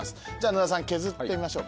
野田さん削ってみましょう。